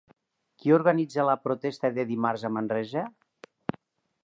Qui organitza la protesta de dimarts a Manresa?